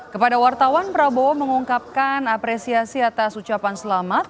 kepada wartawan prabowo mengungkapkan apresiasi atas ucapan selamat